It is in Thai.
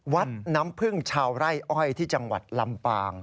วัดน้ำพึ่งชาวไร่อ้อยที่จังหวัดลำปาง